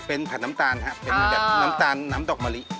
เป็นผัดน้ำตาลครับเป็นแบบน้ำตาลน้ำดอกมะลิ